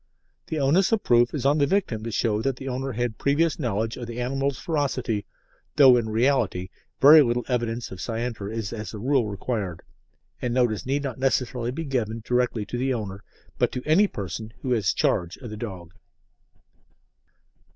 The onus of proof is on the victim to show that the owner had previous knowledge of the animal's ferocity, though in reality very little evidence of scienter is as a rule required, and notice need not necessarily be given directly to the owner, but to any person who has charge of the dog.